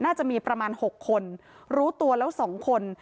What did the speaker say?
น่าจะมีประมาณ๖คนรู้ตัวแล้ว๒คน